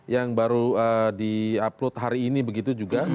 yang baru di upload hari ini begitu juga